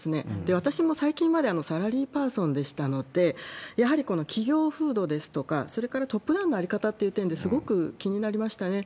私も最近までサラリーパーソンでしたので、やはり企業風土ですとか、それからトップランの在り方という点で、すごく気になりましたね。